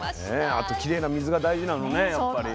あときれいな水が大事なのねやっぱり。